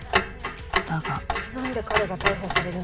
だがなんで彼が逮捕されるの？